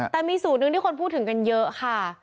แต่มีสูตรหนึ่งที่คนพูดถึงกันเยอะค่ะ